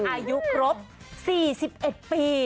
อายุครบ๔๑ปี